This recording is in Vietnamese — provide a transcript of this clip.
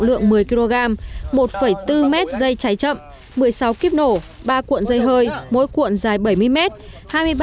lượng một mươi kg một bốn mét dây cháy chậm một mươi sáu kiếp nổ ba cuộn dây hơi mỗi cuộn dài bảy mươi mét